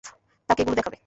তাকে এগুলো দেখাবে।